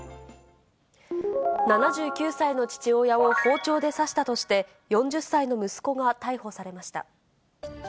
７９歳の父親を包丁で刺したとして、４０歳の息子が逮捕されました。